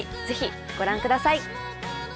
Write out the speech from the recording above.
ぜひご覧ください。